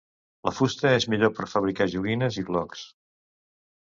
La fusta és millor per fabricar joguines i blocs.